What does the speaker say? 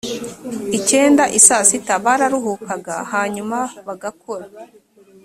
icyenda i saa sita bararuhukaga hanyuma bagakora